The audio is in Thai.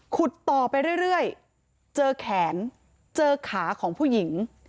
ขุดต่อไปเรื่อยเจอแขนเจอขาของผู้หญิง